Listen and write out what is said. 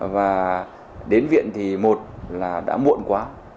và đến viện thì một là đã muộn quá